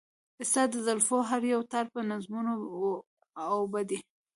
ستا د زلفو هر يو تار په نظمونو و اوبدي .